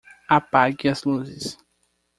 Apague as luzes.